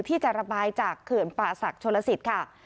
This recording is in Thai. ที่จะระบายจากเขื่อนป่าศักดิ์ชนลสิตค่ะ